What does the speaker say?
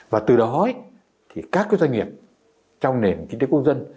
và từ đó thì các doanh nghiệp trong nền kinh tế quốc dân